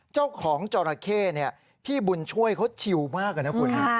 เจ้าของจราเข้พี่บุญช่วยเขาชิวมากเลยนะคุณ